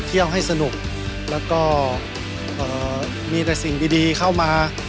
เที่ยวให้สนุกและก็มีแต่สิ่งดีเข้ามา